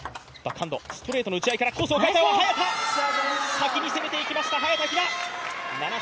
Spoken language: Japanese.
先に攻めていきました、早田ひな。